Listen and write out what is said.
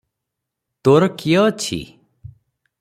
ତୋର କିଏ ଅଛି?